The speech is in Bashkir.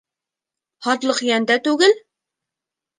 Һатлыҡ йән дә түгел?